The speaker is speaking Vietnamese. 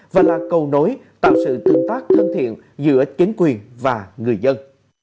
và là cầu nối tạo sự tương tác thân thiện giữa chính quyền và người dân